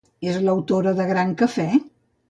És l'autora de Gran Cafè?